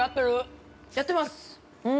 ◆やってます！